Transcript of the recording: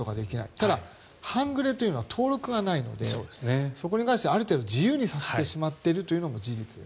ただ、半グレというのは登録がないのでそこに関してはある程度自由にさせてしまっているのも事実です。